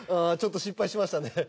ちょっと失敗しましたね。